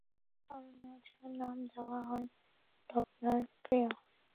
তিনি স্মরণীয়, যার নাম দেওয়া হয় ডপলার ক্রিয়া।